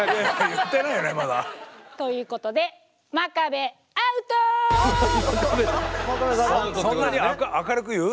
言ってないよねまだ。ということでそんなに明るく言う？